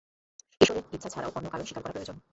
ঈশ্বরের ইচ্ছা ছাড়াও অন্য কারণ স্বীকার করা প্রয়োজন।